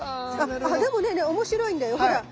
でもねおもしろいんだよほら。